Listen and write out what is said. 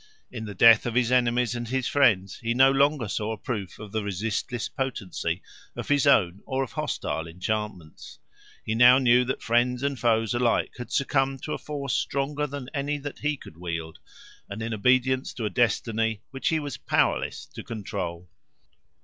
In the death of his enemies and his friends he no longer saw a proof of the resistless potency of his own or of hostile enchantments; he now knew that friends and foes alike had succumbed to a force stronger than any that he could wield, and in obedience to a destiny which he was powerless to control.